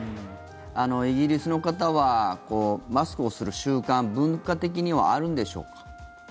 イギリスの方はマスクをする習慣文化的にはあるんでしょうか？